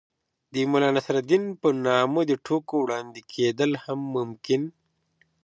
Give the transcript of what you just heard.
د ملا نصر الدين په نامه د ټوکو وړاندې کېدل هم ممکن